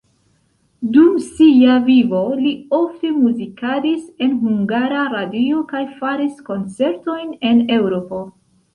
Dum sia vivo li ofte muzikadis en Hungara Radio kaj faris koncertojn en Eŭropo.